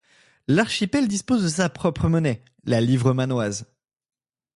L’archipel dispose de sa propre monnaie, la livre mannoise.